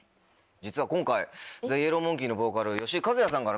実は今回ＴＨＥＹＥＬＬＯＷＭＯＮＫＥＹのボーカル吉井和哉さんから。